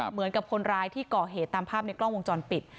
เหมือนกับคนร้ายที่ก่อเหตุตามภาพในกล้องวงจรปิด